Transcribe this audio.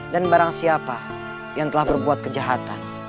barang siapa yang telah berbuat kejahatan